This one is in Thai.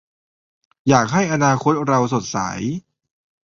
อยากให้อนาคตเราสดใส